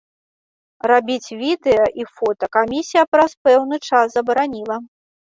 Рабіць відэа і фота камісія праз пэўны час забараніла.